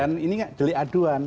dan ini kan jeli aduan